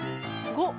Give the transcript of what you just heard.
５。